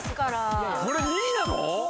これ２位なの⁉